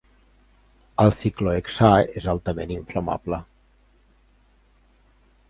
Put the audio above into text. El ciclohexà és altament inflamable.